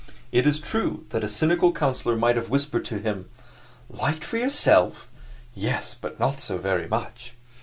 It is true that a cynical counselor might have whispered to him, "Liked for yourself? Yes; but not so very much!"